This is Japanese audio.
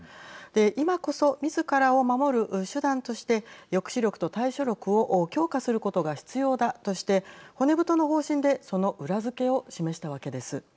今こそみずからを守る手段として抑止力と対処力を強化することが必要だとして骨太の方針でその裏付けを示したわけです。